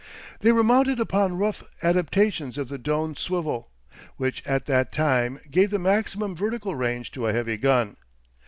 They were mounted upon rough adaptations of the Doan swivel, which at that time gave the maximum vertical range to a heavy gun.